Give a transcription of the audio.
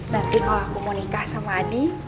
nanti kalau aku mau nikah sama adi